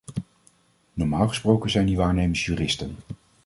Normaal gesproken zijn die waarnemers juristen.